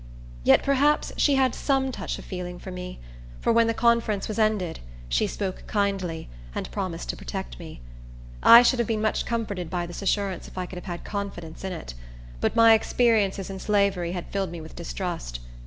Yet perhaps she had some touch of feeling for me; for when the conference was ended, she spoke kindly, and promised to protect me. I should have been much comforted by this assurance if I could have had confidence in it; but my experiences in slavery had filled me with distrust.